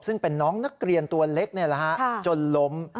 ซึ่งเป็นน้องนักเรียนตัวเล็กจนล้ม